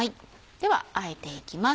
ではあえていきます。